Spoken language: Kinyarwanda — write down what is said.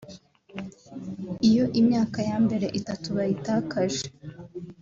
Iyo imyaka ya mbere itatu bayitakaje